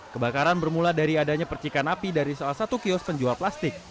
kebakaran bermula dari adanya percikan api dari salah satu kios penjual plastik